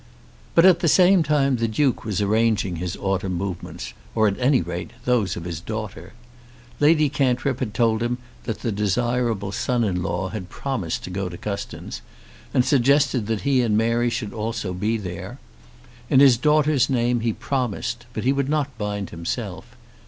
But at the same time the Duke was arranging his autumn movements, or at any rate those of his daughter. Lady Cantrip had told him that the desirable son in law had promised to go to Custins, and suggested that he and Mary should also be there. In his daughter's name he promised, but he would not bind himself.